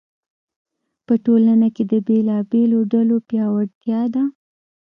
په ټولنه کې د بېلابېلو ډلو پیاوړتیا ده.